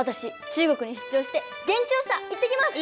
中国に出張して現地調査行ってきます！